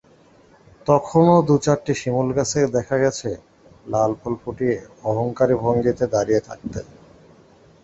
তখনো দু-চারটি শিমুলগাছকে দেখা গেছে লাল ফুল ফুটিয়ে অহংকারী ভঙ্গিতে দাঁড়িয়ে থাকতে।